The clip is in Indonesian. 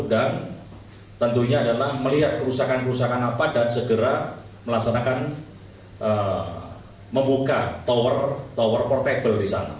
dan tentunya adalah melihat kerusakan kerusakan apa dan segera melaksanakan membuka tower portable di sana